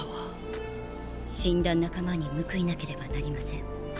死んだ仲間に報いなければなりません。